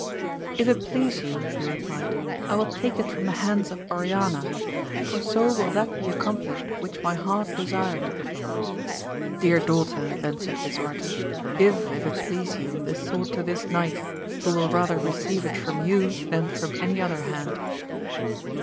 If it please you, he replied, I will take it from the hands of Oriana, for so will that be accomplished which my heart desired. Dear daughter, then said lisuarte, give if it please you the sword to this knight, who will rather receive it from you than from any other hand.